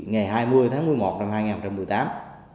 ngày hai mươi tháng một mươi một năm hai nghìn một mươi tám